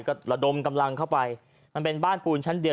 ก็ระดมกำลังเข้าไปมันเป็นบ้านปูนชั้นเดียว